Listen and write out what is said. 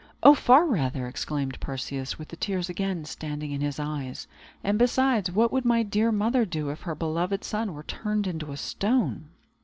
"Oh, far rather!" exclaimed Perseus, with the tears again standing in his eyes. "And, besides, what would my dear mother do, if her beloved son were turned into a stone?"